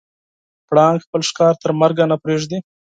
پړانګ خپل ښکار تر مرګه نه پرېږدي.